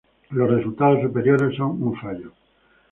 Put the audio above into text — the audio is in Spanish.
Los resultados superiores son un fallo.